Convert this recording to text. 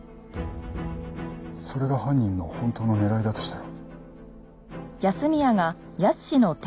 それが犯人の本当の狙いだとしたら。